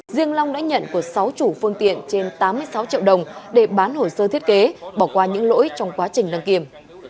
riêng long đã nhận của sáu chủ phương tiện trên tám mươi sáu triệu đồng để bán hồ sơ thiết kế bỏ qua những lỗi trong quá trình đăng kiểm